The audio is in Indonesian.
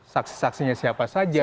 saksi saksinya siapa saja